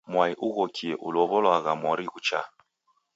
Mwai ughokie ulow'olwagha mori ghuchaa.